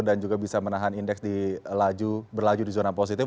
dan juga bisa menahan indeks berlaju di zona positif